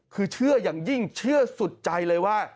คือเชื่ออย่างยิ่งเชื่อสุดใจเลยว่า